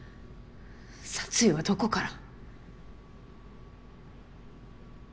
殺意はどこから。